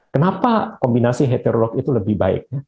kenapa kombinasi heterolog itu lebih baik